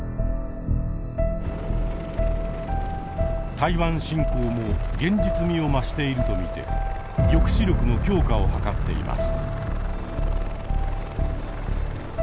台湾侵攻も現実味を増していると見て抑止力の強化をはかっています。